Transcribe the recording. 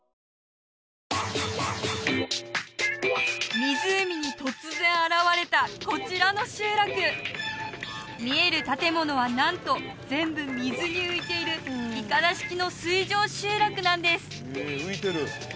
湖に突然現れたこちらの集落見える建物はなんと全部水に浮いているいかだ式の水上集落なんです